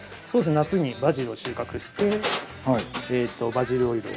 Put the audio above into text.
夏にバジルを収穫してバジルオイルを。